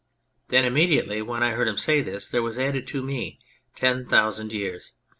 Then immediately when I heard him say this there was added to me ten thou sand years.